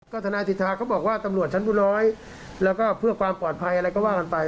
ทนายสิทธาก็บอกว่าตำรวจชั้นผู้ร้อยแล้วก็เพื่อความปลอดภัยอะไรก็ว่ากันไป